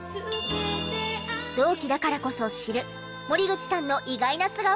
同期だからこそ知る森口さんの意外な素顔が明らかに。